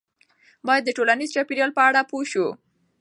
باید د ټولنیز چاپیریال په اړه پوه سو.